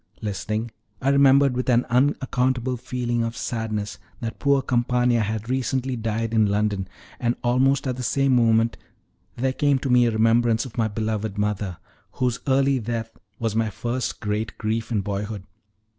Listening, I remembered with an unaccountable feeling of sadness, that poor Campana had recently died in London; and almost at the same moment there came to me a remembrance of my beloved mother, whose early death was my first great grief in boyhood.